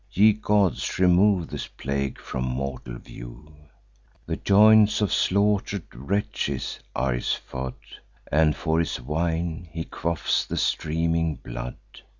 Ye gods, remove this plague from mortal view! The joints of slaughter'd wretches are his food; And for his wine he quaffs the streaming blood.